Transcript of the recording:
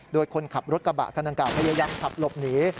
โดยคนขับรถกระบะคันดังกล่าพยายามขับหลบหนี